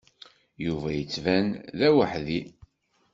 Yuba yettban d aweḥdi.